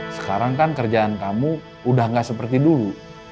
sekarang kan kerjaan kamu udah gak seperti dulu